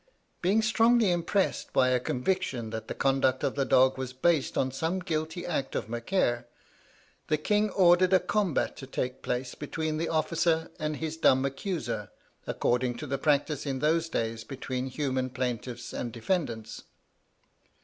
Being strongly impressed by a conviction that the conduct of the dog was based on some guilty act of Macaire, the king ordered a combat to take place between the officer and his dumb accuser, according to the practice in those days between human plaintiffs and defendants.